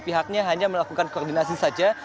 pihaknya hanya melakukan koordinasi saja